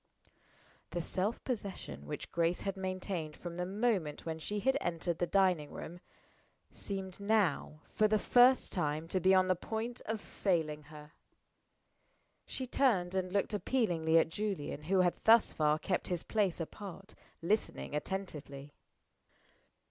'" The self possession which Grace had maintained from the moment when she had entered the dining room, seemed now, for the first time, to be on the point of failing her. She turned, and looked appealingly at Julian, who had thus far kept his place apart, listening attentively.